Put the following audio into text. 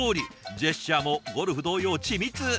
ジェスチャーもゴルフ同様緻密！